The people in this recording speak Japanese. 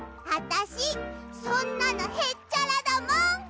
あたしそんなのへっちゃらだもん！